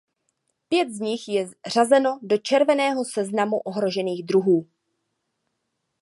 Pět z nich je řazeno do červeného seznamu ohrožených druhů.